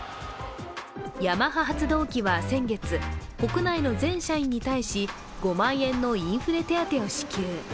ヤマハ発動機は先月国内の全社員に対し５万円のインフレ手当を支給。